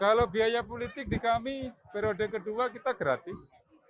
kalau biaya politik di kami periode kedua kita gratis